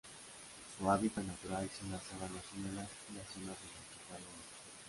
Su hábitat natural son las sabanas húmedas y las zonas de matorral húmedo.